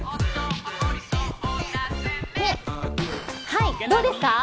はい、どうですか。